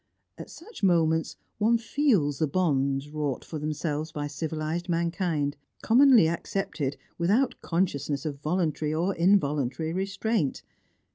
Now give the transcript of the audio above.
At such moments one feels the bonds wrought for themselves by civilised mankind; commonly accepted without consciousness of voluntary or involuntary restraint.